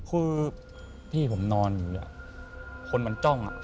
คือพี่ผมนอนอยู่แล้วคนมันจ้อง